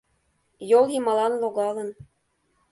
Йол йымалан логалын.